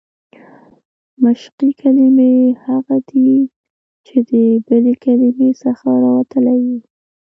مشقي کلیمې هغه دي، چي د بلي کلیمې څخه راوتلي يي.